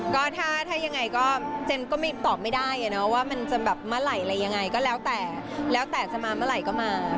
ก็ถ้ายังไงก็เจมส์ก็ไม่ตอบไม่ได้ว่ามันจะแบบเมื่อไหร่อะไรยังไงก็แล้วแต่แล้วแต่จะมาเมื่อไหร่ก็มา